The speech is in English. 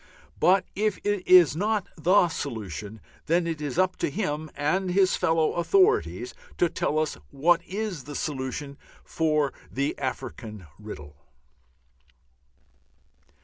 But if it is not the solution, then it is up to him and his fellow authorities to tell us what is the solution of the African riddle.